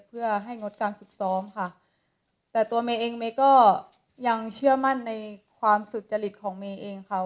เพื่อให้งดการฝึกซ้อมค่ะแต่ตัวเมย์เองเมย์ก็ยังเชื่อมั่นในความสุจริตของเมย์เองค่ะ